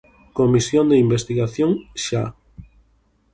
Comisión de investigación xa.